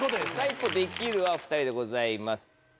一方「できる」はお２人でございます。